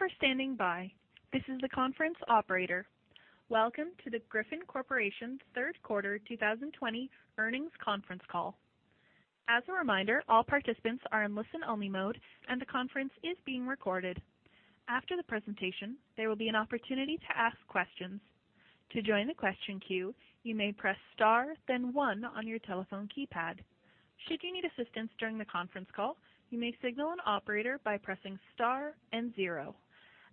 Thank you for standing by. This is the conference operator. Welcome to the Griffon Corporation's third quarter 2020 earnings conference call. As a reminder, all participants are in listen-only mode, and the conference is being recorded. After the presentation, there will be an opportunity to ask questions. To join the question queue, you may press star then one on your telephone keypad. Should you need assistance during the conference call, you may signal an operator by pressing star and zero.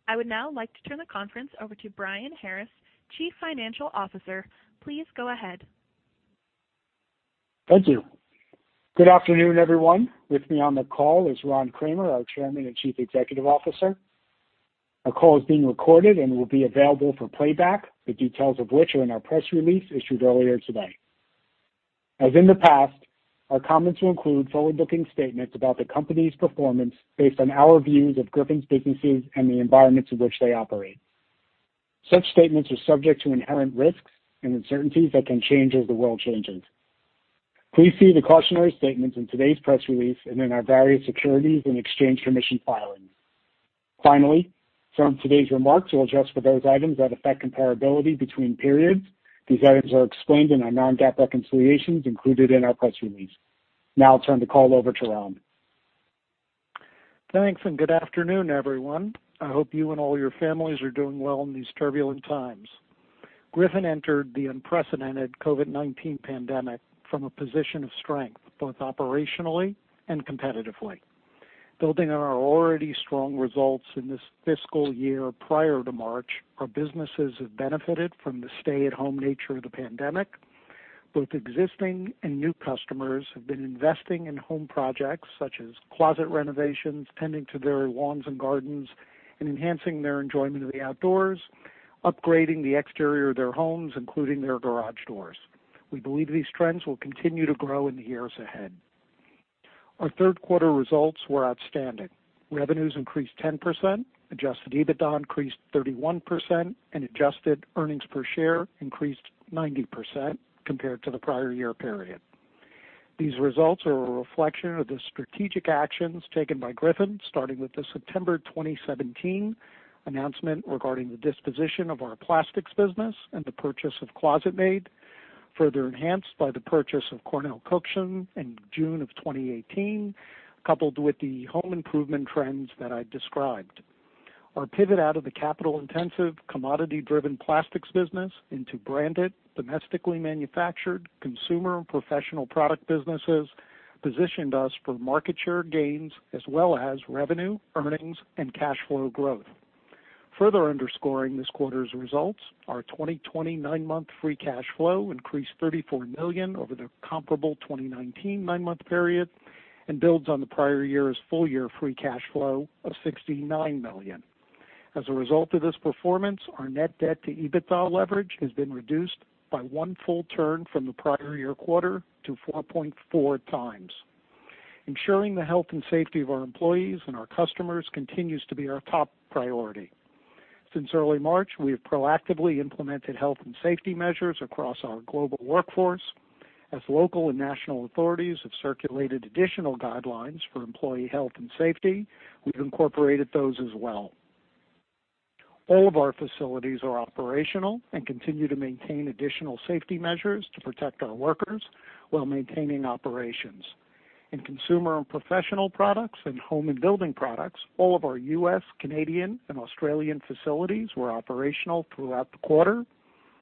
I would now like to turn the conference over to Brian Harris, Chief Financial Officer. Please go ahead. Thank you. Good afternoon, everyone. With me on the call is Ron Kramer, our Chairman and Chief Executive Officer. Our call is being recorded and will be available for playback, the details of which are in our press release issued earlier today. As in the past, our comments will include forward-looking statements about the company's performance based on our views of Griffon's businesses and the environments in which they operate. Such statements are subject to inherent risks and uncertainties that can change as the world changes. Please see the cautionary statements in today's press release and in our various Securities and Exchange Commission filings. Certain today's remarks will adjust for those items that affect comparability between periods. These items are explained in our non-GAAP reconciliations included in our press release. Now I'll turn the call over to Ron. Thanks, good afternoon, everyone. I hope you and all your families are doing well in these turbulent times. Griffon entered the unprecedented COVID-19 pandemic from a position of strength, both operationally and competitively. Building on our already strong results in this fiscal year prior to March, our businesses have benefited from the stay-at-home nature of the pandemic. Both existing and new customers have been investing in home projects such as closet renovations, tending to their lawns and gardens, and enhancing their enjoyment of the outdoors, upgrading the exterior of their homes, including their garage doors. We believe these trends will continue to grow in the years ahead. Our third quarter results were outstanding. Revenues increased 10%, adjusted EBITDA increased 31%, and adjusted earnings per share increased 90% compared to the prior year period. These results are a reflection of the strategic actions taken by Griffon, starting with the September 2017 announcement regarding the disposition of our plastics business and the purchase of ClosetMaid, further enhanced by the purchase of CornellCookson in June of 2018, coupled with the home improvement trends that I described. Our pivot out of the capital-intensive, commodity-driven plastics business into branded, domestically manufactured consumer and professional product businesses positioned us for market share gains as well as revenue, earnings, and cash flow growth. Further underscoring this quarter's results, our 2020 nine-month free cash flow increased $34 million over the comparable 2019 nine-month period and builds on the prior year's full-year free cash flow of $69 million. As a result of this performance, our net debt to EBITDA leverage has been reduced by one full turn from the prior year quarter to 4.4x. Ensuring the health and safety of our employees and our customers continues to be our top priority. Since early March, we have proactively implemented health and safety measures across our global workforce. As local and national authorities have circulated additional guidelines for employee health and safety, we've incorporated those as well. All of our facilities are operational and continue to maintain additional safety measures to protect our workers while maintaining operations. In consumer and professional products and home and building products, all of our U.S., Canadian, and Australian facilities were operational throughout the quarter.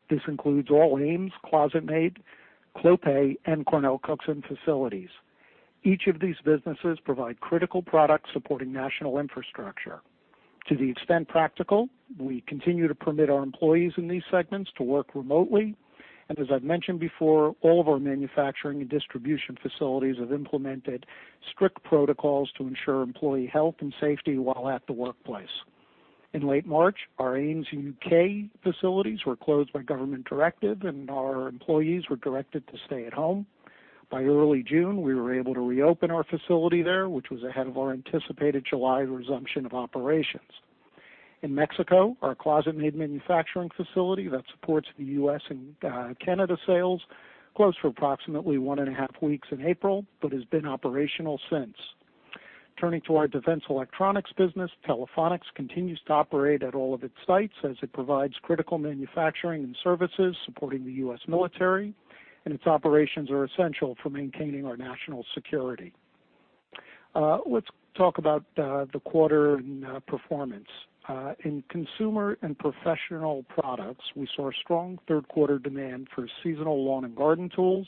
This includes all AMES, ClosetMaid, Clopay, and CornellCookson facilities. Each of these businesses provide critical products supporting national infrastructure. To the extent practical, we continue to permit our employees in these segments to work remotely. As I've mentioned before, all of our manufacturing and distribution facilities have implemented strict protocols to ensure employee health and safety while at the workplace. In late March, our AMES U.K. facilities were closed by government directive, and our employees were directed to stay at home. By early June, we were able to reopen our facility there, which was ahead of our anticipated July resumption of operations. In Mexico, our ClosetMaid manufacturing facility that supports the U.S. and Canada sales closed for approximately one and a half weeks in April but has been operational since. Turning to our defense electronics business, Telephonics continues to operate at all of its sites as it provides critical manufacturing and services supporting the U.S. military, and its operations are essential for maintaining our national security. Let's talk about the quarter and performance. In Consumer and Professional Products, we saw strong third quarter demand for seasonal lawn and garden tools,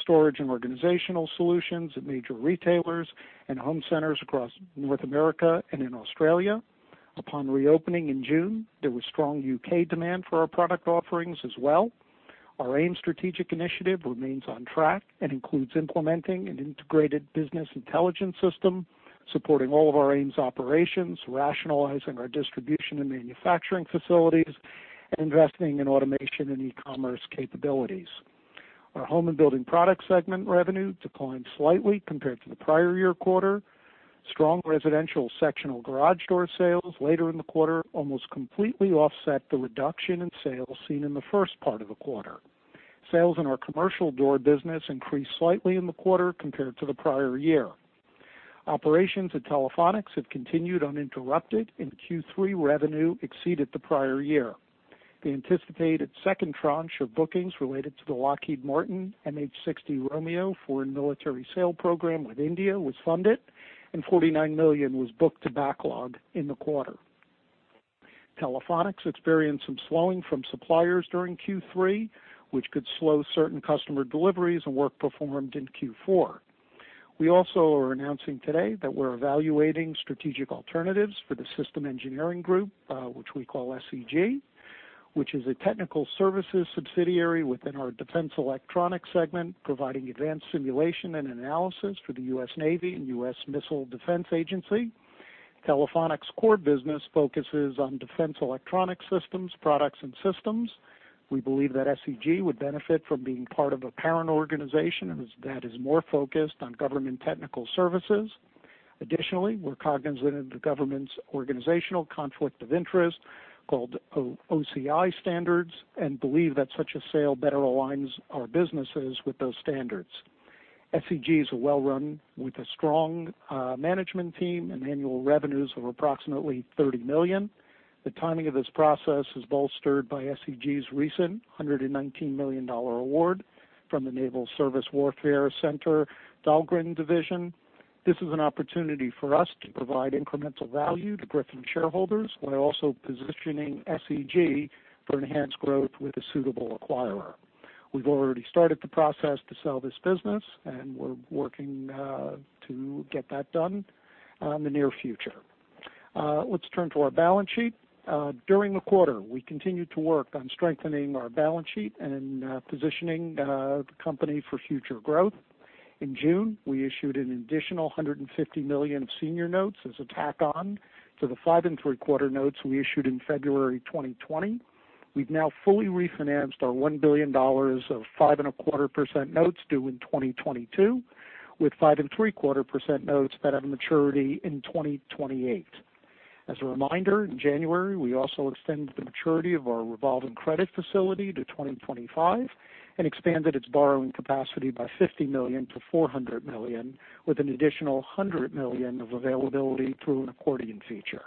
storage and organizational solutions at major retailers and home centers across North America and in Australia. Upon reopening in June, there was strong U.K. demand for our product offerings as well. Our AMES Strategic Initiative remains on track and includes implementing an integrated business intelligence system supporting all of our AMES operations, rationalizing our distribution and manufacturing facilities, and investing in automation and e-commerce capabilities. Our Home and Building Product segment revenue declined slightly compared to the prior year quarter. Strong residential sectional garage door sales later in the quarter almost completely offset the reduction in sales seen in the first part of the quarter. Sales in our commercial door business increased slightly in the quarter compared to the prior year. Operations at Telephonics have continued uninterrupted, and Q3 revenue exceeded the prior year. The anticipated second tranche of bookings related to the Lockheed Martin MH-60R Romeo Foreign Military Sale program with India was funded, and $49 million was booked to backlog in the quarter. Telephonics experienced some slowing from suppliers during Q3, which could slow certain customer deliveries and work performed in Q4. We also are announcing today that we're evaluating strategic alternatives for the Systems Engineering Group, which we call SEG, which is a technical services subsidiary within our defense electronics segment, providing advanced simulation and analysis for the U.S. Navy and US Missile Defense Agency. Telephonics' core business focuses on defense electronics systems, products, and systems. We believe that SEG would benefit from being part of a parent organization that is more focused on government technical services. Additionally, we're cognizant of the government's organizational conflict of interest, called OCI standards, and believe that such a sale better aligns our businesses with those standards. SEG is well-run, with a strong management team and annual revenues of approximately $30 million. The timing of this process is bolstered by SEG's recent $119 million award from the Naval Surface Warfare Center Dahlgren Division. This is an opportunity for us to provide incremental value to Griffon shareholders while also positioning SEG for enhanced growth with a suitable acquirer. We've already started the process to sell this business, and we're working to get that done in the near future. Let's turn to our balance sheet. During the quarter, we continued to work on strengthening our balance sheet and positioning the company for future growth. In June, we issued an additional $150 million of senior notes as a tack on to the 5.75% notes we issued in February 2020. We've now fully refinanced our $1 billion of 5.25% notes due in 2022 with 5.75% notes that have a maturity in 2028. As a reminder, in January, we also extended the maturity of our revolving credit facility to 2025 and expanded its borrowing capacity by $50 million to $400 million, with an additional $100 million of availability through an accordion feature.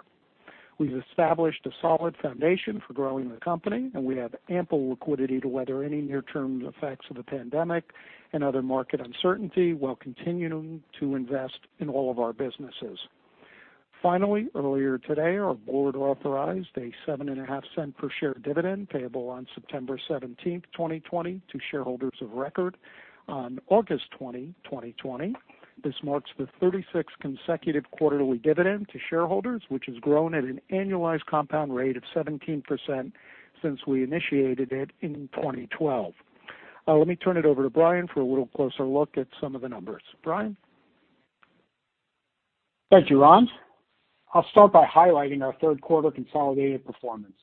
We've established a solid foundation for growing the company, and we have ample liquidity to weather any near-term effects of the pandemic and other market uncertainty, while continuing to invest in all of our businesses. Finally, earlier today, our board authorized a $0.075 per share dividend, payable on September 17th, 2020 to shareholders of record on August 20, 2020. This marks the 36th consecutive quarterly dividend to shareholders, which has grown at an annualized compound rate of 17% since we initiated it in 2012. Let me turn it over to Brian for a little closer look at some of the numbers. Brian? Thank you, Ron. I'll start by highlighting our third quarter consolidated performance.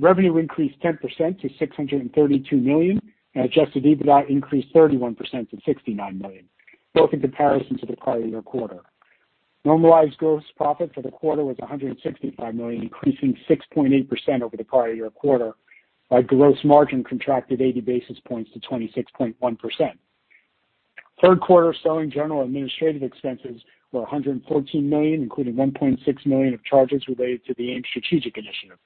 Revenue increased 10% to $632 million, and adjusted EBITDA increased 31% to $69 million, both in comparison to the prior year quarter. Normalized gross profit for the quarter was $165 million, increasing 6.8% over the prior year quarter, while gross margin contracted 80 basis points to 26.1%. Third quarter Selling, General & Administrative Expenses were $114 million, including $1.6 million of charges related to the AMES strategic initiative.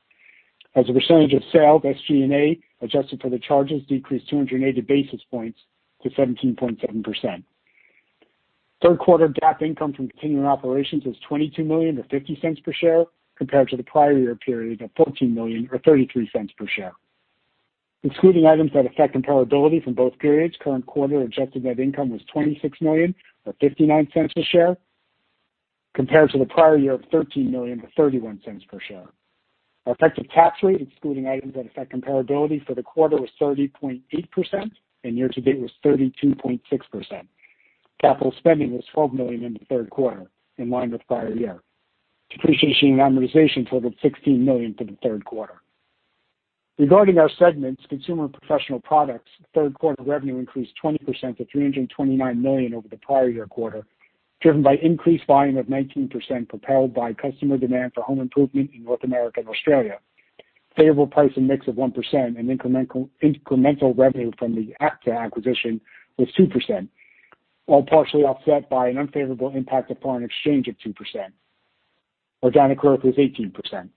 As a percentage of sales, SG&A, adjusted for the charges, decreased 280 basis points to 17.7%. Third quarter GAAP income from continuing operations was $22 million, or $0.50 per share, compared to the prior year period of $14 million, or $0.33 per share. Excluding items that affect comparability from both periods, current quarter adjusted net income was $26 million, or $0.59 per share, compared to the prior year of $13 million to $0.31 per share. Our effective tax rate, excluding items that affect comparability for the quarter, was 30.8%, and year-to-date was 32.6%. Capital spending was $12 million in the third quarter, in line with prior year. Depreciation and amortization totaled $16 million for the third quarter. Regarding our segments, Consumer and Professional Products, third quarter revenue increased 20% to $329 million over the prior year quarter, driven by increased volume of 19% propelled by customer demand for home improvement in North America and Australia, favorable price and mix of 1%, and incremental revenue from the Apta acquisition was 2%, all partially offset by an unfavorable impact of foreign exchange of 2%. Organic growth was 18%.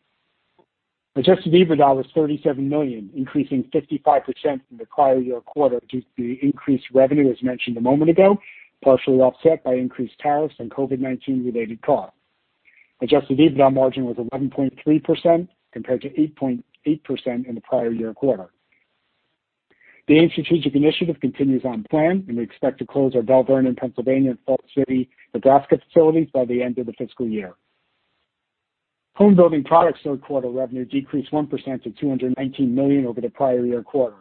Adjusted EBITDA was $37 million, increasing 55% from the prior year quarter due to the increased revenue, as mentioned a moment ago, partially offset by increased tariffs and COVID-19-related costs. Adjusted EBITDA margin was 11.3% compared to 8.8% in the prior year quarter. The AMES strategic initiative continues on plan, and we expect to close our Malvern in Pennsylvania and Falls City, Nebraska facilities by the end of the fiscal year. Home Building Products third quarter revenue decreased 1% to $219 million over the prior year quarter,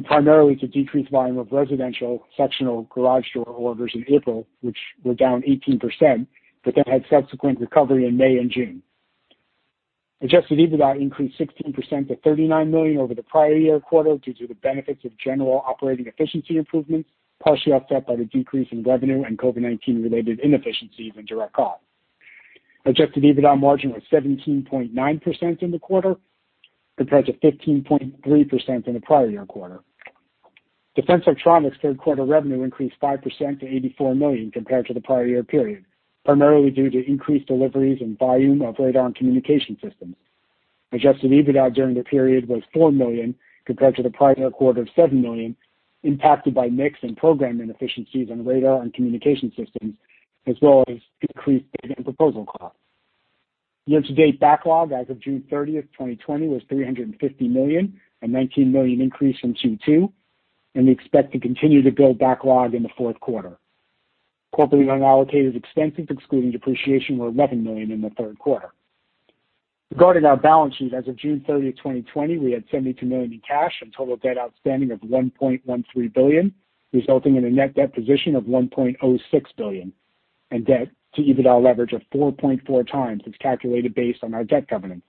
due primarily to decreased volume of residential sectional garage door orders in April, which were down 18%, but then had subsequent recovery in May and June. Adjusted EBITDA increased 16% to $39 million over the prior year quarter due to the benefits of general operating efficiency improvements, partially offset by the decrease in revenue and COVID-19 related inefficiencies and direct costs. Adjusted EBITDA margin was 17.9% in the quarter, compared to 15.3% in the prior year quarter. Defense Electronics' third quarter revenue increased 5% to $84 million compared to the prior year period, primarily due to increased deliveries and volume of radar and communication systems. Adjusted EBITDA during the period was $4 million compared to the prior year quarter of $7 million, impacted by mix and program inefficiencies on radar and communication systems, as well as increased bid and proposal costs. Year-to-date backlog as of June 30th, 2020, was $350 million, a $19 million increase from Q2, and we expect to continue to build backlog in the fourth quarter. Corporate unallocated expenses, excluding depreciation, were $11 million in the third quarter. Regarding our balance sheet, as of June 30, 2020, we had $72 million in cash and total debt outstanding of $1.13 billion, resulting in a net debt position of $1.06 billion and debt-to-EBITDA leverage of 4.4x as calculated based on our debt covenants.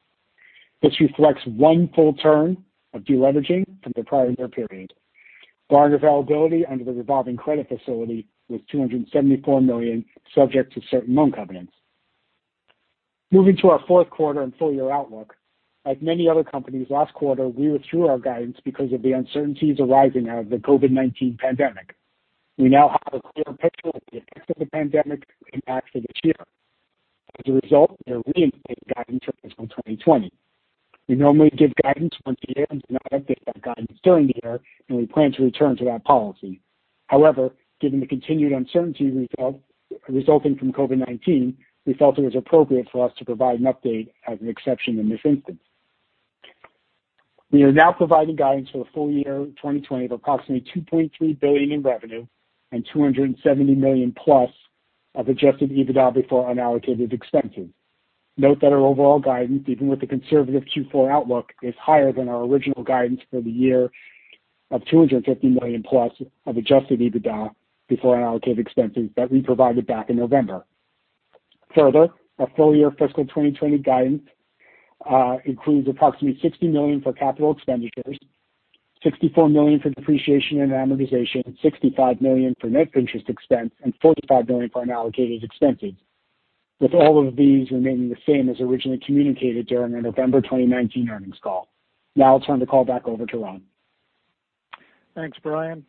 This reflects one full turn of de-leveraging from the prior year period. Borrowing availability under the revolving credit facility was $274 million, subject to certain loan covenants. Moving to our fourth quarter and full-year outlook. Like many other companies last quarter, we withdrew our guidance because of the uncertainties arising out of the COVID-19 pandemic. We now have a clearer picture of the effects of the pandemic impact for this year. As a result, we are reinstating guidance for fiscal 2020. We normally give guidance once a year and do not update that guidance during the year, and we plan to return to that policy. However, given the continued uncertainty resulting from COVID-19, we felt it was appropriate for us to provide an update as an exception in this instance. We are now providing guidance for the full year 2020 of approximately $2.3 billion in revenue and $270+ million of adjusted EBITDA before unallocated expenses. Note that our overall guidance, even with the conservative Q4 outlook, is higher than our original guidance for the year of $250+ million of adjusted EBITDA before unallocated expenses that we provided back in November. Further, our full-year fiscal 2020 guidance includes approximately $60 million for capital expenditures, $64 million for depreciation and amortization, $65 million for net interest expense, and $45 million for unallocated expenses, with all of these remaining the same as originally communicated during the November 2019 earnings call. Now I'll turn the call back over to Ron. Thanks, Brian.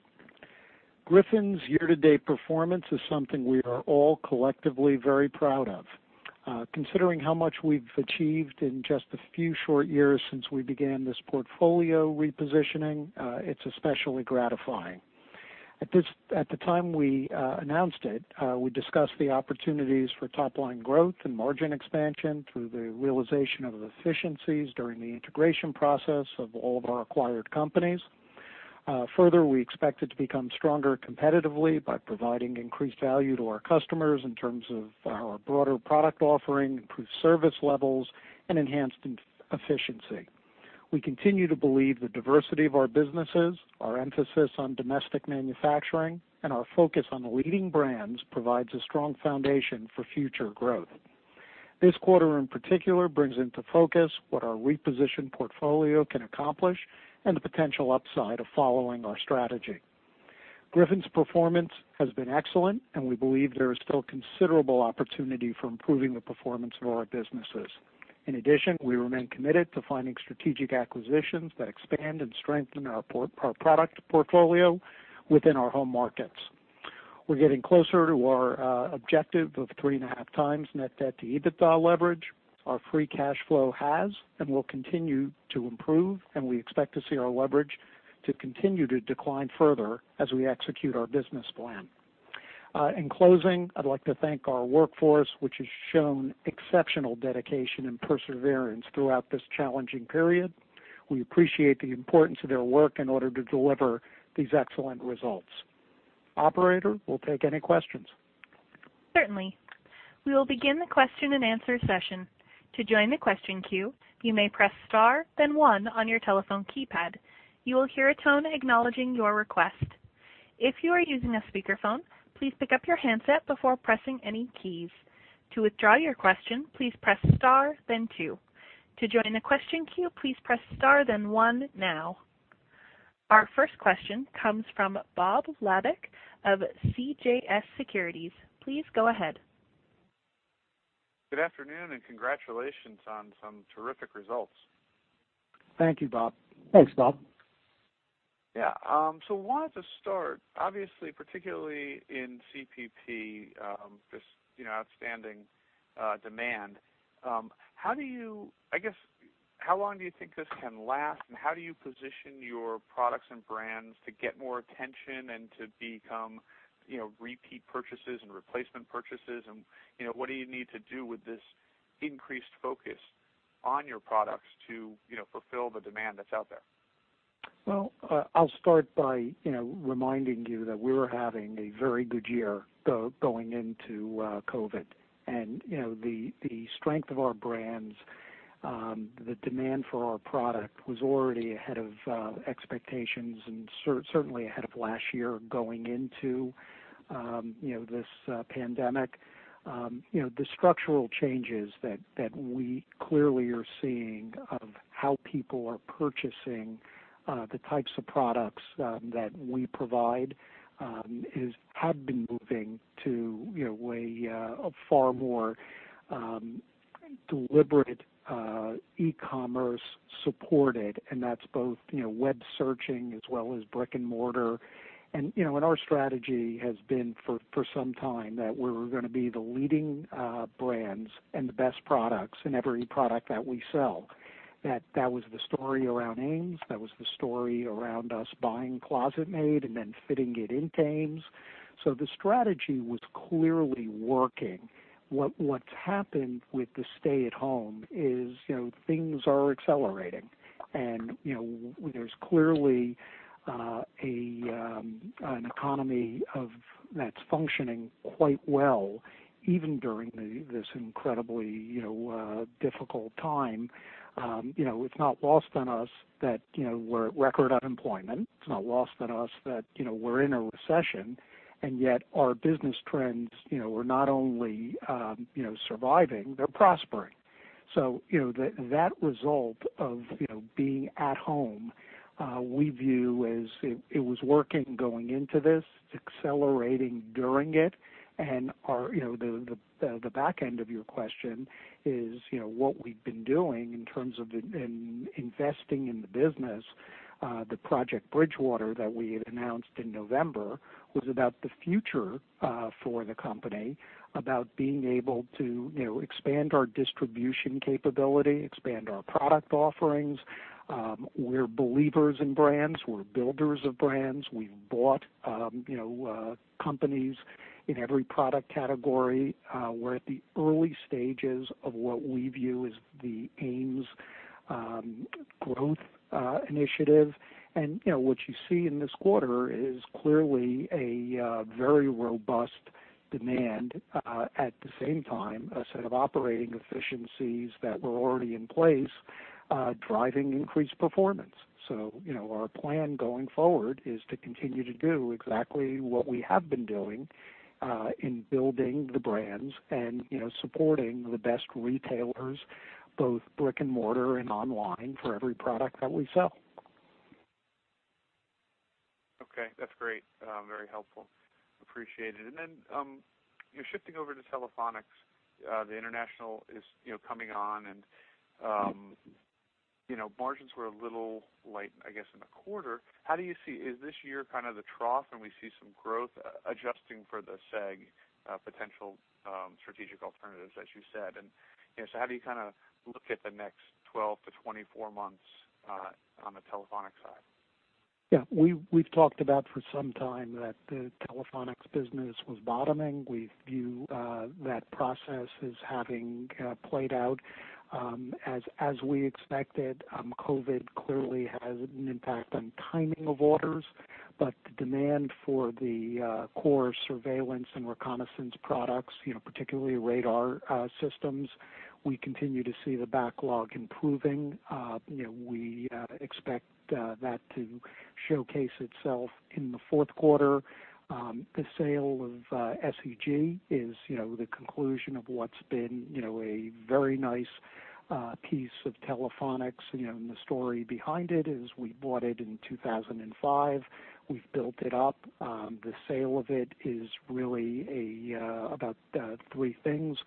Griffon's year-to-date performance is something we are all collectively very proud of. Considering how much we've achieved in just a few short years since we began this portfolio repositioning, it's especially gratifying. At the time we announced it, we discussed the opportunities for top-line growth and margin expansion through the realization of efficiencies during the integration process of all of our acquired companies. Further, we expect it to become stronger competitively by providing increased value to our customers in terms of our broader product offering, improved service levels, and enhanced efficiency. We continue to believe the diversity of our businesses, our emphasis on domestic manufacturing, and our focus on leading brands provides a strong foundation for future growth. This quarter in particular brings into focus what our repositioned portfolio can accomplish and the potential upside of following our strategy. Griffon's performance has been excellent, and we believe there is still considerable opportunity for improving the performance of our businesses. In addition, we remain committed to finding strategic acquisitions that expand and strengthen our product portfolio within our home markets. We're getting closer to our objective of three and a half times net debt to EBITDA leverage. Our free cash flow has and will continue to improve, and we expect to see our leverage to continue to decline further as we execute our business plan. In closing, I'd like to thank our workforce, which has shown exceptional dedication and perseverance throughout this challenging period. We appreciate the importance of their work in order to deliver these excellent results. Operator, we'll take any questions. Certainly. We will begin the question and answer session. To join the question queue, you may press star then one on your telephone keypad. You will hear a tone acknowledging your request. If you are using a speakerphone, please pick up your handset before pressing any keys. To withdraw your question, please press star then two. To join the question queue, please press star then one now. Our first question comes from Bob Labick of CJS Securities. Please go ahead. Good afternoon, and congratulations on some terrific results. Thank you, Bob. Thanks, Bob. Yeah. Why don't I start? Obviously, particularly in CPP, this outstanding demand. I guess, how long do you think this can last, and how do you position your products and brands to get more attention and to become repeat purchases and replacement purchases and what do you need to do with this increased focus on your products to fulfill the demand that's out there? Well, I'll start by reminding you that we were having a very good year going into COVID. The strength of our brands, the demand for our product was already ahead of expectations and certainly ahead of last year going into this pandemic. The structural changes that we clearly are seeing of how people are purchasing the types of products that we provide have been moving to a far more deliberate e-commerce supported, and that's both web searching as well as brick and mortar. Our strategy has been for some time that we're going to be the leading brands and the best products in every product that we sell. That was the story around AMES, that was the story around us buying ClosetMaid and then fitting it into AMES. The strategy was clearly working. What's happened with the stay-at-home is, things are accelerating, and there's clearly an economy that's functioning quite well even during this incredibly difficult time. It's not lost on us that we're at record unemployment. It's not lost on us that we're in a recession, and yet our business trends are not only surviving, they're prospering. That result of being at home, we view as it was working going into this, it's accelerating during it, and the back end of your question is what we've been doing in terms of investing in the business. The Project Bridgewater that we had announced in November was about the future for the company, about being able to expand our distribution capability, expand our product offerings. We're believers in brands. We're builders of brands. We've bought companies in every product category. We're at the early stages of what we view as the AMES growth initiative. What you see in this quarter is clearly a very robust demand. At the same time, a set of operating efficiencies that were already in place, driving increased performance. Our plan going forward is to continue to do exactly what we have been doing, in building the brands and supporting the best retailers, both brick and mortar and online, for every product that we sell. Okay. That's great. Very helpful. Appreciate it. Shifting over to Telephonics, the international is coming on and margins were a little light, I guess, in the quarter. How do you see, is this year kind of the trough and we see some growth adjusting for the SEG potential strategic alternatives, as you said? How do you look at the next 12-24 months on the Telephonics side? Yeah. We've talked about for some time that the Telephonics business was bottoming. We view that process as having played out. As we expected, COVID clearly has an impact on timing of orders, but the demand for the core surveillance and reconnaissance products, particularly radar systems, we continue to see the backlog improving. We expect that to showcase itself in the fourth quarter. The sale of SEG is the conclusion of what's been a very nice piece of Telephonics, and the story behind it is we bought it in 2005. We've built it up. The sale of it is really about three things.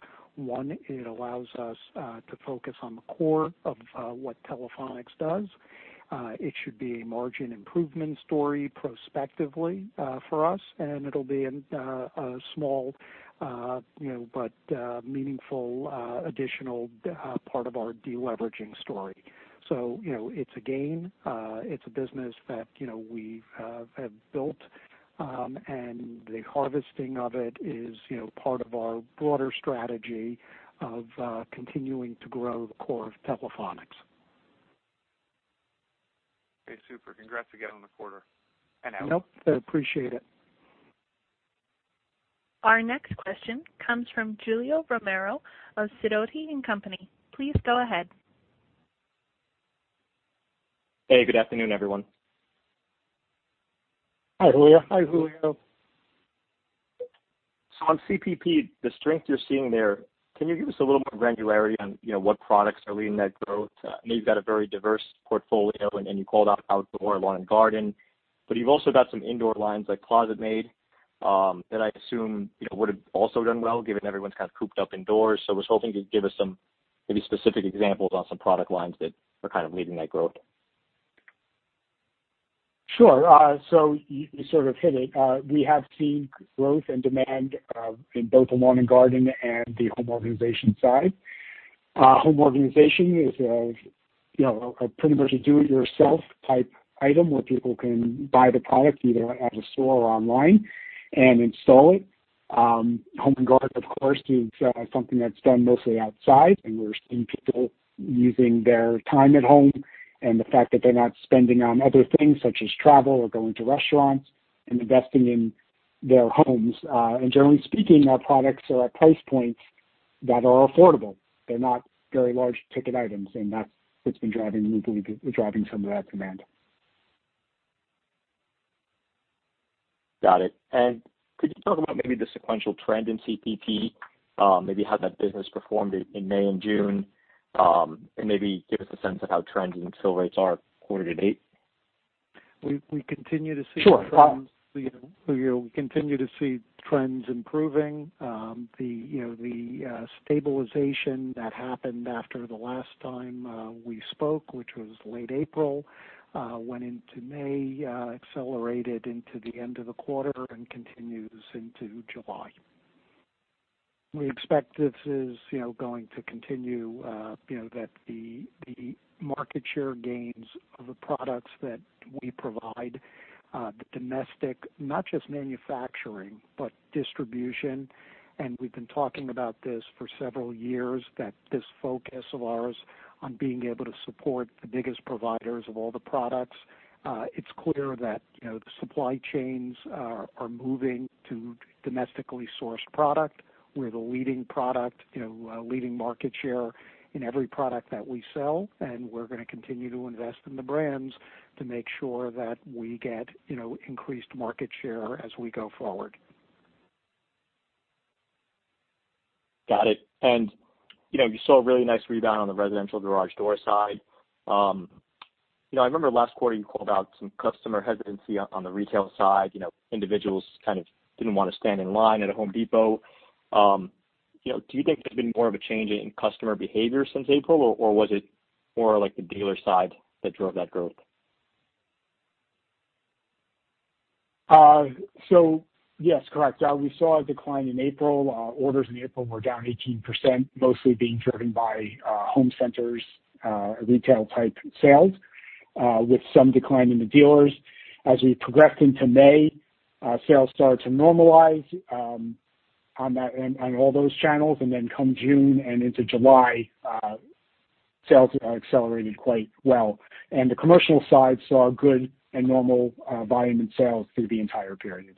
One, it allows us to focus on the core of what Telephonics does. It should be a margin improvement story prospectively for us, and it'll be a small but meaningful additional part of our de-leveraging story. It's a gain. It's a business that we have built, and the harvesting of it is part of our broader strategy of continuing to grow the core of Telephonics. Okay, super. Congrats again on the quarter and out. Nope. Appreciate it. Our next question comes from Julio Romero of Sidoti & Company. Please go ahead. Hey, good afternoon, everyone. On CPP, the strength you're seeing there, can you give us a little more granularity on what products are leading that growth? I know you've got a very diverse portfolio, and you called out outdoor, lawn, and garden, but you've also got some indoor lines like ClosetMaid, that I assume would have also done well given everyone's kind of cooped up indoors. I was hoping you'd give us some maybe specific examples on some product lines that are kind of leading that growth. Sure. You sort of hit it. We have seen growth and demand in both the lawn and garden and the home organization side. Home organization is a pretty much a do-it-yourself type item where people can buy the product either at a store or online and install it. Home and garden, of course, is something that's done mostly outside, and we're seeing people using their time at home, and the fact that they're not spending on other things such as travel or going to restaurants and investing in their homes. Generally speaking, our products are at price points that are affordable. They're not very large ticket items, and that's what's been driving some of that demand. Got it. Could you talk about maybe the sequential trend in CPP? Maybe how that business performed in May and June, and maybe give us a sense of how trends and fill rates are quarter to date? We continue to see trends improving. The stabilization that happened after the last time we spoke, which was late April, went into May, accelerated into the end of the quarter and continues into July. We expect this is going to continue, that the market share gains of the products that we provide, the domestic, not just manufacturing, but distribution. We've been talking about this for several years, that this focus of ours on being able to support the biggest providers of all the products. It's clear that the supply chains are moving to domestically sourced product. We're the leading product, leading market share in every product that we sell. We're going to continue to invest in the brands to make sure that we get increased market share as we go forward. Got it. You saw a really nice rebound on the residential garage door side. I remember last quarter you called out some customer hesitancy on the retail side. Individuals kind of didn't want to stand in line at a Home Depot. Do you think there's been more of a change in customer behavior since April, or was it more like the dealer side that drove that growth? Yes, correct. We saw a decline in April. Orders in April were down 18%, mostly being driven by home centers, retail type sales, with some decline in the dealers. As we progressed into May, sales started to normalize on all those channels. Then come June and into July, sales have accelerated quite well. The commercial side saw good and normal volume in sales through the entire period.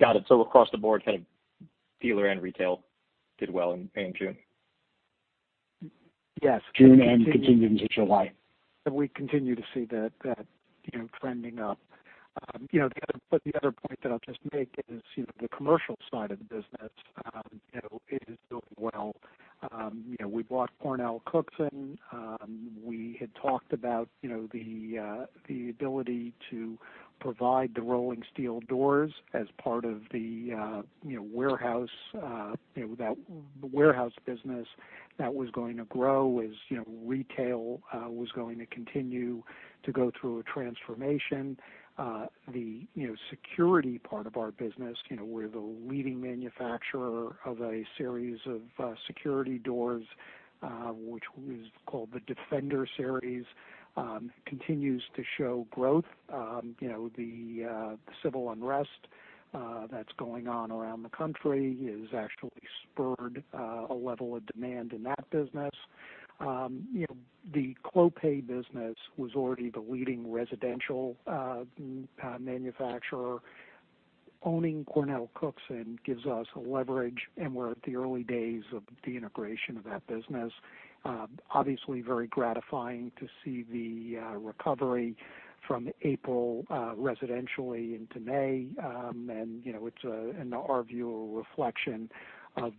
Got it. Across the board, kind of dealer and retail did well in June. Yes. June continued into July. We continue to see that trending up. The other point that I'll just make is the commercial side of the business is doing well. We bought CornellCookson. We had talked about the ability to provide the rolling steel doors as part of the warehouse business that was going to grow as retail was going to continue to go through a transformation. The security part of our business, we're the leading manufacturer of a series of security doors, which is called the Defender Series, continues to show growth. The civil unrest that's going on around the country has actually spurred a level of demand in that business. The Clopay business was already the leading residential manufacturer. Owning CornellCookson gives us leverage, and we're at the early days of the integration of that business. Obviously, very gratifying to see the recovery from April residentially into May, and it's, in our view, a reflection of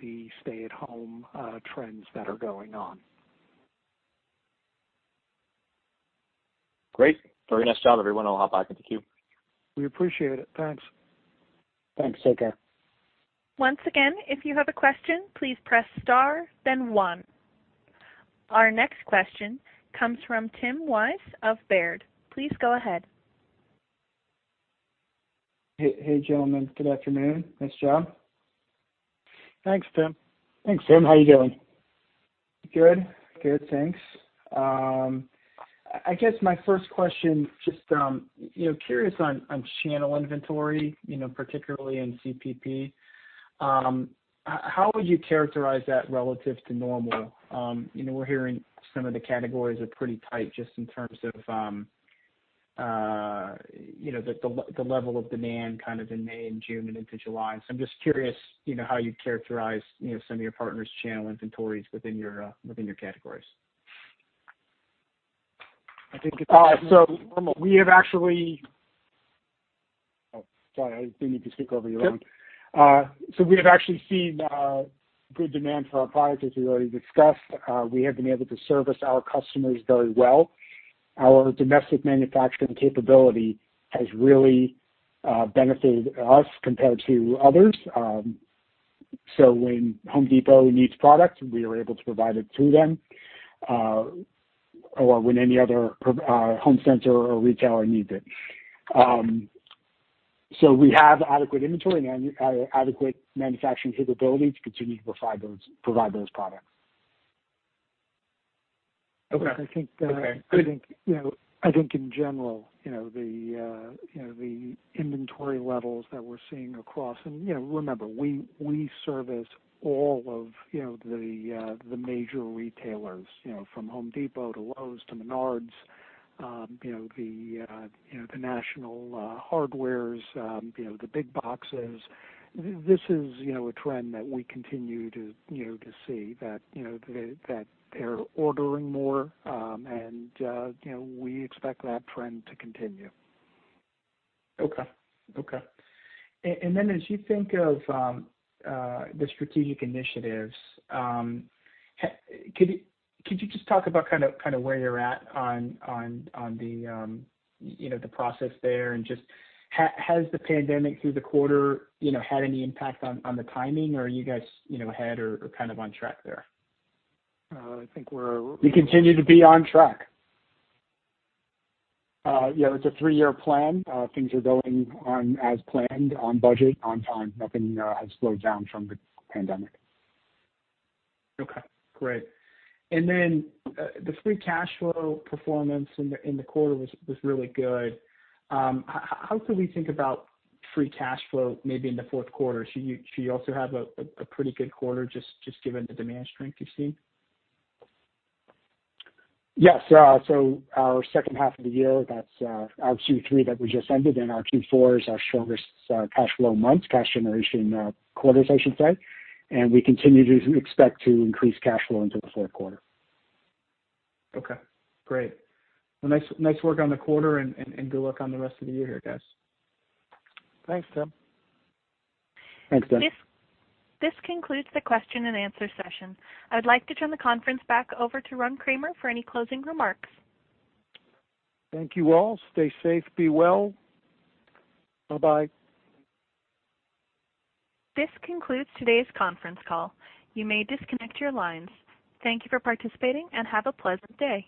the stay-at-home trends that are going on. Great. Very nice job, everyone. I'll hop back in the queue. We appreciate it. Thanks. Once again, if you have a question, please press star, then one. Our next question comes from Tim Wojs of Baird. Please go ahead. Hey, gentlemen, good afternoon. Nice job. Thanks, Tim. Thanks, Tim. How are you doing? Good. Good, thanks. I guess my first question, just curious on channel inventory, particularly in CPP. How would you characterize that relative to normal? We're hearing some of the categories are pretty tight just in terms of the level of demand kind of in May and June and into July. I'm just curious how you'd characterize some of your partners' channel inventories within your categories. Oh, sorry. I didn't mean to speak over you, Ron. We have actually seen good demand for our products, as we already discussed. We have been able to service our customers very well. Our domestic manufacturing capability has really benefited us compared to others. When The Home Depot needs product, we are able to provide it to them, or when any other home center or retailer needs it. We have adequate inventory and adequate manufacturing capability to continue to provide those products. I think in general the inventory levels that we're seeing across, remember, we service all of the major retailers from The Home Depot to Lowe's to Menards, the national hardwares, the big boxes. This is a trend that we continue to see that they're ordering more, we expect that trend to continue. Okay. Then as you think of the strategic initiatives, could you just talk about kind of where you're at on the process there, just has the pandemic through the quarter had any impact on the timing, or are you guys ahead or kind of on track there? We continue to be on track. It's a three-year plan. Things are going on as planned, on budget, on time. Nothing has slowed down from the pandemic. Okay, great. The free cash flow performance in the quarter was really good. How should we think about free cash flow maybe in the fourth quarter? Should you also have a pretty good quarter just given the demand strength you've seen? Yes. Our second half of the year, that's our Q3 that we just ended, and our Q4 is our strongest cash flow month, cash generation quarters, I should say. We continue to expect to increase cash flow into the fourth quarter. Okay, great. Well, nice work on the quarter, and good luck on the rest of the year here, guys. Thanks, Tim. Thanks, Tim. This concludes the question and answer session. I would like to turn the conference back over to Ron Kramer for any closing remarks. Thank you all. Stay safe, be well. Bye-bye. This concludes today's conference call. You may disconnect your lines. Thank you for participating and have a pleasant day.